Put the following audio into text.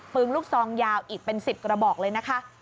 ปืนลูกซองยาวอีกเป็น๑๐กระบอกเลยนะคะ